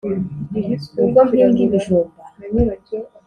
ubwo mpinga ibijumba,